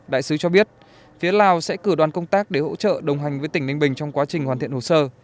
đại sứ cho biết phía lào sẽ cử đoàn công tác để hỗ trợ đồng hành với tỉnh ninh bình trong quá trình hoàn thiện hồ sơ